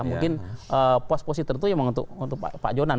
mungkin pos positor itu memang untuk pak jonan